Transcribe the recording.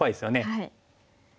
はい。